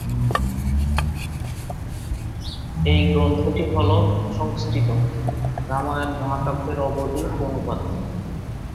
এই গ্রন্থটি হল সংস্কৃত "রামায়ণ" মহাকাব্যের অবধি অনুবাদ।